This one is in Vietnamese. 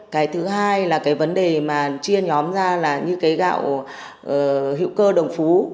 cái thứ hai là cái vấn đề mà chia nhóm ra là như cái gạo hữu cơ đồng phú